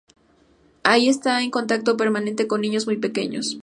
Allí está en contacto permanente con niños muy pequeños.